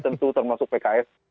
tentu termasuk pks